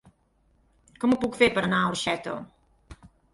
Com ho puc fer per anar a Orxeta?